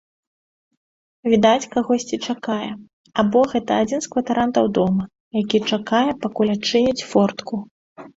Відаць, кагосьці чакае, або гэта адзін з кватарантаў дома, які чакае, пакуль адчыняць фортку.